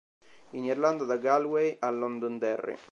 In Irlanda da Galway a Londonderry.